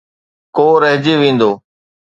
ڪو رهجي ويندو.